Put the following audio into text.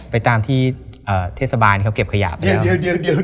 ไปตามที่เทศบาลเขาเก็บขยะไป